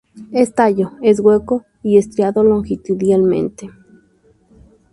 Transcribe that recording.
Es tallo es hueco y estriado longitudinalmente.